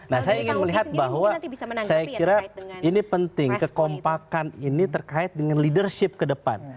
nah saya ingin melihat bahwa saya kira ini penting kekompakan ini terkait dengan leadership ke depan